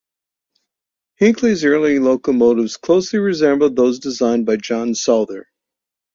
Hinkley's early locomotives closely resembled those designed by John Souther.